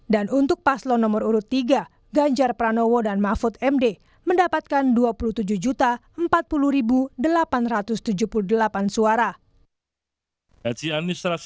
dan untuk paslon nomor urut tiga ganjar pranowo dan mahfud md mendapatkan dua puluh tujuh empat puluh delapan ratus tujuh puluh delapan suara